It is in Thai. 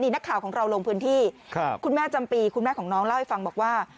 นักข่าวของเราลงพื้นที่คุณแม่จำปีคุณแม่ของน้องเล่าให้ฟังบอกว่า